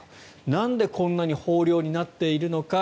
なんでこんなに豊漁になっているのか。